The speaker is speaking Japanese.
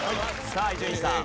さあ伊集院さん。